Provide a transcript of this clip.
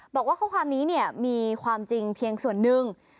บอกว่าข้อความนี้มีความจริงเพียงส่วนหนึ่ง